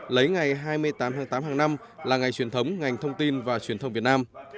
lấy ngày hai mươi tám tháng tám hàng năm là ngày truyền thống ngành thông tin và truyền thông việt nam